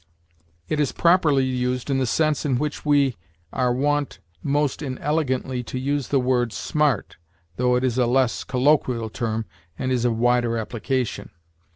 It is properly used in the sense in which we are wont most inelegantly to use the word smart, though it is a less colloquial term, and is of wider application.